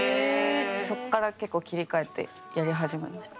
そっから結構切り替えてやり始めました。